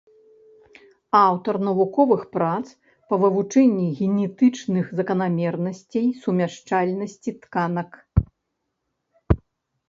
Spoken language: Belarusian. Аўтар навуковых прац па вывучэнні генетычных заканамернасцей сумяшчальнасці тканак.